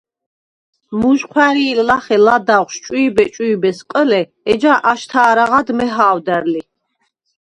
მუჟჴვარი̄ლ ლახე ლადაღშვ “ჭვი̄ბე-ჭვი̄ბე”-ს ყჷლე, ეჯა აშთა̄რაღად მეჰა̄ვდარ ლი.